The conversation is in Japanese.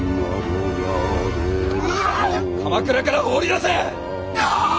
鎌倉から放り出せ！